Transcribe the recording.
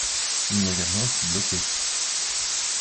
Il n’y avait rien qui bloquait.